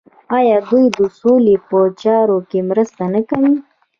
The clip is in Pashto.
آیا دوی د سولې په چارو کې مرسته نه کوي؟